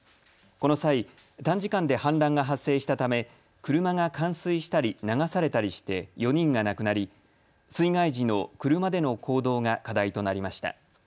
この際、短時間で氾濫が発生したため車が冠水したり流されたりして４人が亡くなり水害時の車での行動が課題となりました。